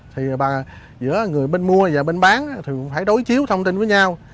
thì giữa người bên mua và bên bán thì cũng phải đối chiếu thông tin với nhau